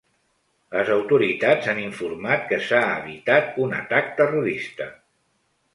Les autoritats han informat que s’ha evitat un atac terrorista.